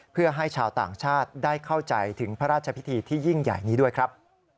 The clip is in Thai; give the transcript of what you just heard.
เพื่อให้ชาวต่างชาติได้เข้าใจถึงพระราชพิธีที่ยิ่งใหญ่นี้ด้วยครับ